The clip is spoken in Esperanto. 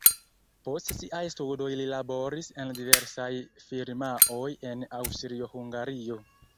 Post siaj studoj li laboris en diversaj firmaoj en Aŭstrio-Hungario.